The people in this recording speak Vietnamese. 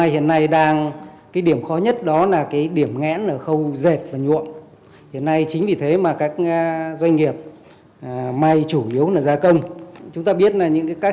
hiện nay chính vì thế mà các doanh nghiệp may chủ yếu là gia công chúng ta biết là những các